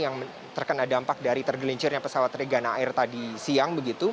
yang terkena dampak dari tergelincirnya pesawat regana air tadi siang begitu